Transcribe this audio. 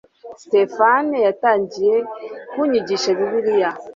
Stéphane yatangiye kunyigisha Bibiliya.